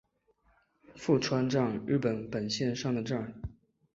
富川站日高本线上的站。